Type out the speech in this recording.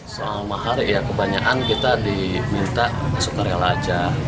soal mahar ya kebanyakan kita diminta masuk karya lajah